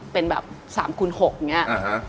เป็นแบบ๓คูณ๖อย่างนี้